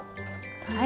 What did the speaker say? はい。